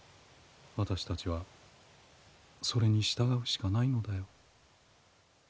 私たちはそれに従うしかないのだよ。